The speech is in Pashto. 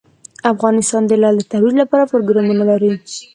افغانستان د لعل د ترویج لپاره پروګرامونه لري.